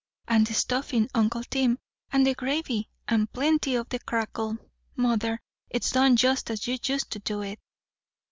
And the stuffing, uncle Tim, and the gravy; and plenty of the crackle. Mother, it's done just as you used to do it."